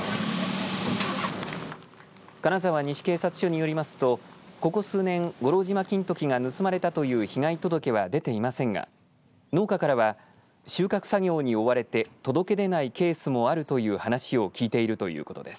金沢西警察署によりますとここ数年、五郎島金時が盗まれたという被害届けは出ていませんが農家からは収穫作業に追われて届け出ないケースもあるという話を聞いているということです。